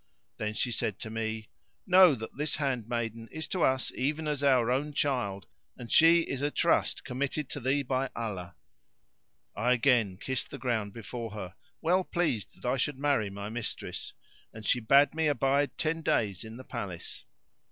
Then she said to me, "Know that this handmaiden is to us even as our own child and she is a trust committed to thee by Allah." I again kissed the ground before her, well pleased that I should marry my mistress, and she bade me abide ten days in the palace.